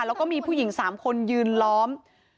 แล้วก็มีผู้หญิง๓คนยืนล้อม